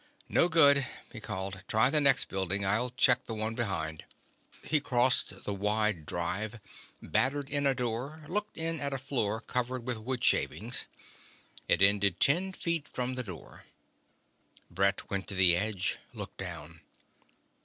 "No good," he called. "Try the next building. I'll check the one behind." He crossed the wide drive, battered in a door, looked in at a floor covered with wood shavings. It ended ten feet from the door. Brett went to the edge, looked down.